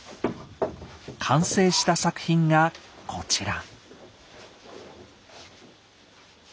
完成した作品がこちら。